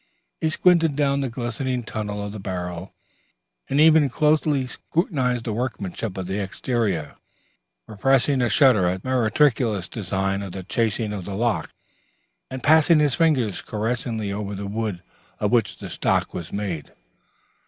He squinted down the glistening tunnel of the barrel and even closely scrutinized the workmanship of the exterior, repressing a shudder at the meretricious design of the chasing on the lock, and passing his fingers caressingly over the wood of which the stock was made.